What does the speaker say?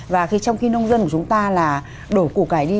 và khi trong khi nông dân của chúng ta là đổ củ cải đi